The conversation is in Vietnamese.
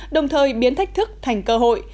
đồng thời biến thách thức thành cơ hội